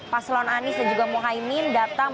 paslon anies dan juga mohaimin datang